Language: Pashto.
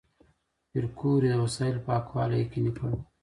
پېیر کوري د وسایلو پاکوالی یقیني کړ.